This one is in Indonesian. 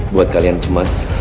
buat kalian cemas